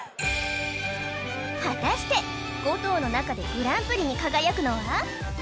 果たして５頭の中でグランプリに輝くのは？